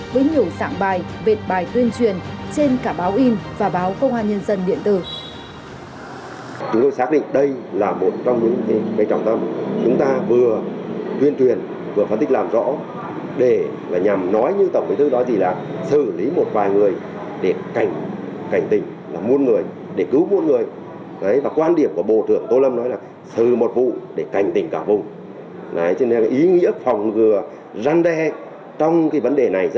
với nhiều sạng bài vệt bài tuyên truyền trên cả báo in và báo công an nhân dân điện tử